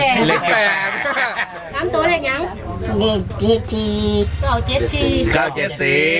ถือกิ๊บหรอ